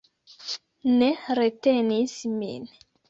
Ne retenis min.